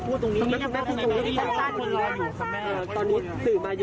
ไปกัดพูดคุยเรื่องต้น